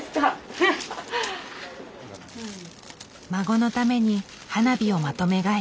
孫のために花火をまとめ買い。